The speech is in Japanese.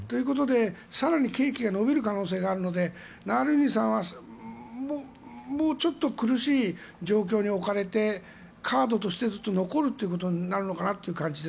更に刑期が延びる可能性があるので、ナワリヌイさんはもうちょっと苦しい状況に置かれてカードとして残るということになるのかなと。